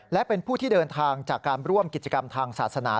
และเป็นผู้ที่เดินทางจากการร่วมกิจกรรมทางศาสนา